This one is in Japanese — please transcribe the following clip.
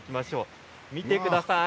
見てください。